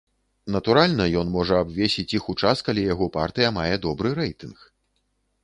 Натуральна, ён можа абвесіць іх у час, калі яго партыя мае добры рэйтынг.